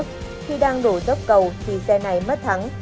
khi đang đổ dốc cầu thì xe này mất thắng